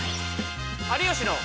「有吉の」。